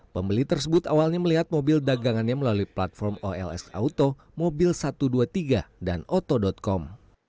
pembeli tersebut awalnya melihat mobil dagangannya melalui platform ols auto mobil satu ratus dua puluh tiga dan oto com